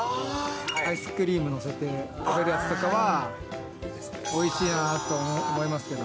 アイスクリーム載せて食べるやつとかは、おいしいなと思いますけど。